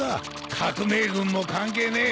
革命軍も関係ねえ。